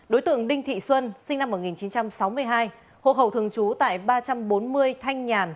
đối tượng đinh thị xuân sinh năm một nghìn chín trăm sáu mươi hai hộ khẩu thường trú tại ba trăm bốn mươi thanh nhàn